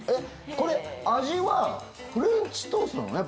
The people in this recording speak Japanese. これ味はフレンチトーストなの？